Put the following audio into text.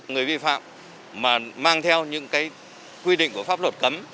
người vi phạm mà mang theo những cái quy định của pháp luật cấm